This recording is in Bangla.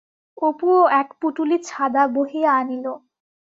অপুও এক পুটুলি ছাঁদা বহিয়া আনিল।